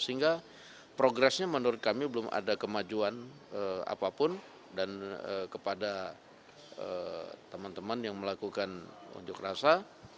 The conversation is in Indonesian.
sehingga progresnya menurut kami belum ada kemajuan apapun dan kepada teman teman yang melakukan unjuk rasa